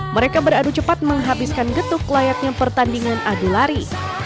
mereka beradu cepat menghabiskan getuk layaknya pertandingan adu lari